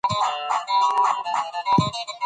اشوين یو مشهور اسپن بالر دئ.